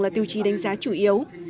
là tiêu chí đánh giá chủ yếu